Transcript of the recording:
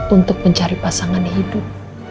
untuk mencari pasangan hidup